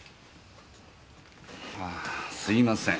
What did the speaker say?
あすいません。